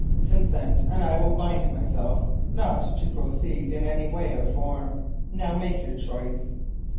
Consent, and I will bind myself not to proceed in any way or form. Now, make your choice."